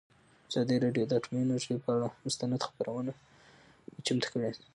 ازادي راډیو د اټومي انرژي پر اړه مستند خپرونه چمتو کړې.